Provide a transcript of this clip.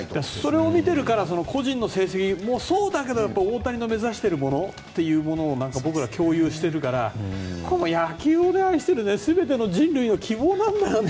それを見ているから個人の成績もそうだけど大谷の目指しているものというのを僕ら、共有してるから野球を愛してる全ての人類の希望なんだよね。